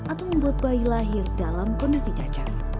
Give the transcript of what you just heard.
atau membuat bayi lahir dalam kondisi cacat